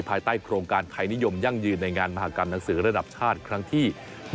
ภายใต้โครงการไทยนิยมยั่งยืนในงานมหากรรมหนังสือระดับชาติครั้งที่